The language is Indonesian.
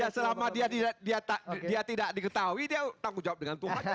ya selama dia tidak diketahui dia tanggung jawab dengan tuhan